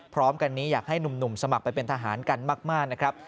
พร้อมกันนี้อยากให้หนุ่มสมัครไปเป็นทหารกันมากนะครับ